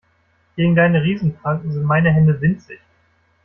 Gegen deine Riesen-Pranken sind meine Hände winzig.